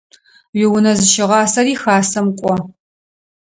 Уиунэ зыщыгъасэри Хасэм кIо.